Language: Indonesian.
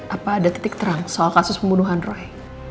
apa ada titik terang soal kasus pembunuhan roy